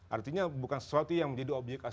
artinya bukan sesuatu yang menjadi objek asuransi